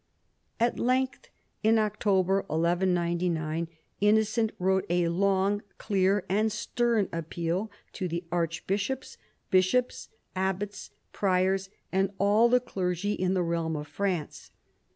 At length in October 1199 Innocent wrote a long, clear, and stern appeal to "the archbishops, bishops, abbats, priors, and all the clergy in the realm of France."